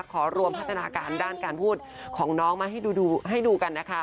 ขอรวมพัฒนาการด้านการพูดของน้องมาให้ดูให้ดูกันนะคะ